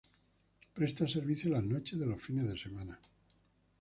Presta servicio las noches de los fines semana.